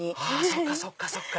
そっかそっかそっか！